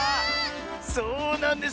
そうなんです。